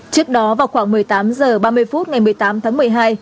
trước đó vào khoảng một mươi tám h ba mươi phút ngày một mươi tám tháng một mươi hai